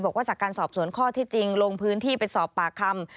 บอกว่าจากการสอบสวนข้อที่จริงลงพื้นที่ไปสอบปากคำ